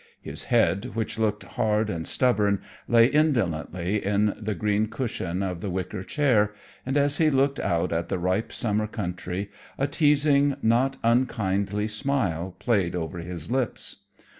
His head, which looked hard and stubborn, lay indolently in the green cushion of the wicker chair, and as he looked out at the ripe summer country a teasing, not unkindly smile played over his lips.